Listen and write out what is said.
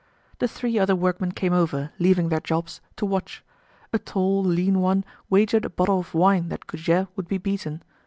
The three other workmen came over, leaving their jobs, to watch. A tall, lean one wagered a bottle of wine that Goujet would be beaten.